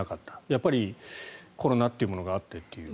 やっぱりコロナというものがあってという。